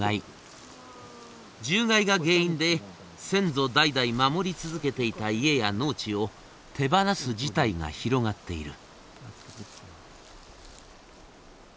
獣害が原因で先祖代々守り続けていた家や農地を手放す事態が広がっている。